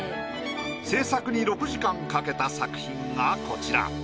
制作に６時間かけた作品がこちら。